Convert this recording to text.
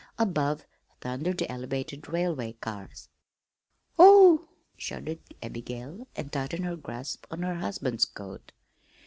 Above thundered the elevated railway cars. "Oh h," shuddered Abigail and tightened her grasp on her husband's coat.